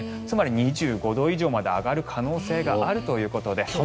つまり２５度以上まで上がる可能性があるということで。